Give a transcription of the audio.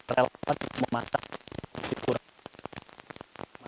relafat memasak di kurang